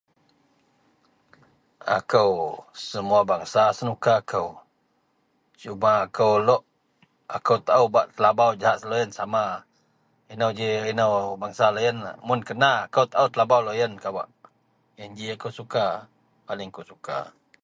Akou semuwa bengesa senuka kou, suma akou lok akou taou bak telabau jegahak loyen kawak sama inou ji inou bengesa loyenlah. Mun kena akou taou telabau loyen kawak. Yen ji akou suka. Paling akou suka.